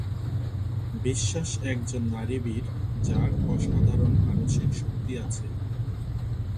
বিশ্বাস একজন নারী বীর যার অসাধারণ মানসিক শক্তি আছে।